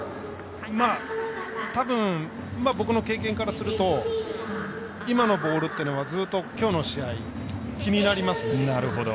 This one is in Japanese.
たぶん、僕の経験からすると今のボールっていうのはずっと、きょうの試合気になりますね。